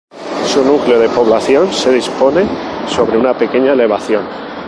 Su núcleo de población se dispone sobre una pequeña elevación.